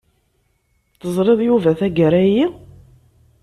Teẓriḍ Yuba tagara-yi?